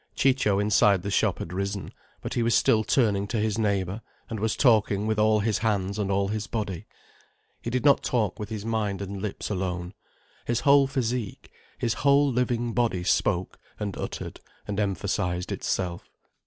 Ciccio inside the shop had risen, but he was still turning to his neighbour and was talking with all his hands and all his body. He did not talk with his mind and lips alone. His whole physique, his whole living body spoke and uttered and emphasized itself.